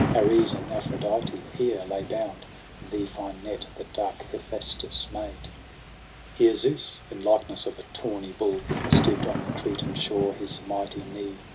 Ares and Aphrodite here lay bound In the fine net that dark Hephaestus made : Here Zeus, in likeness of a tawny bull, Stoop'd on the Cretan shore his mighty knee.